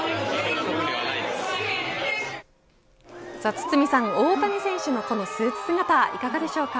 堤さん、大谷選手のこのスーツ姿いかがですか。